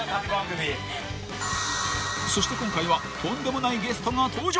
［そして今回はとんでもないゲストが登場］